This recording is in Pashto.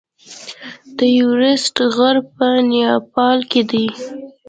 د ایورسټ غر په نیپال کې دی.